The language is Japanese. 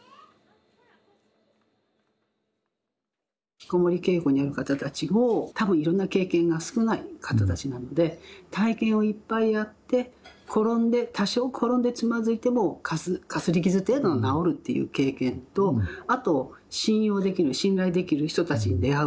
ひきこもり傾向にある方たちを多分いろんな経験が少ない方たちなので体験をいっぱいやって転んで多少転んでつまずいてもかすり傷程度なら治るっていう経験とあと信用できる信頼できる人たちに出会う。